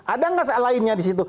ada nggak lainnya di situ